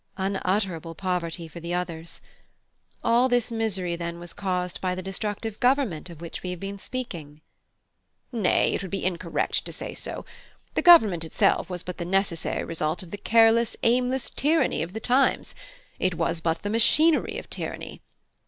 (I) Unutterable poverty for the others. All this misery, then, was caused by the destructive government of which we have been speaking? (H.) Nay, it would be incorrect to say so. The government itself was but the necessary result of the careless, aimless tyranny of the times; it was but the machinery of tyranny.